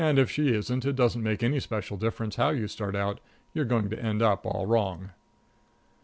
If she isn't, it doesn't make any special difference how you start out, you're going to end up all wrong.